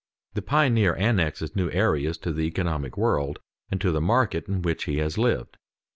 The pioneer annexes new areas to the economic world and to the market in which he has lived.